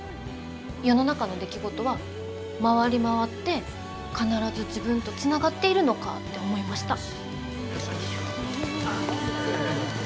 世の中の出来事は回り回って必ず自分とつながっているのかって思いました。